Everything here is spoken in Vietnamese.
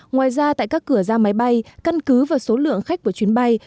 ngoài ra tại các cửa ra máy bay căn cứ và số lượng khách của chuyến bay